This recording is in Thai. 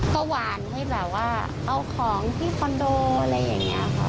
ก็หวานให้แบบว่าเอาของที่คอนโดอะไรอย่างนี้ค่ะ